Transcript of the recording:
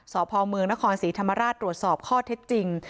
สพเมืองนครศรีธรรมราชตรวจสอบข้อเท็จจริง